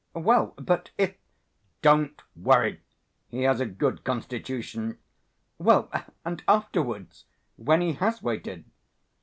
"Well, but if ..." "Don't worry, he has a good constitution...." "Well, and afterwards, when he has waited?"